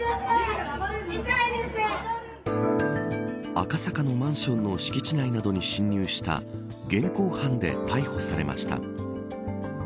赤坂のマンションの敷地内などに侵入した現行犯で逮捕されました。